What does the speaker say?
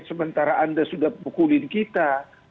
sementara anda sudah pukulin kita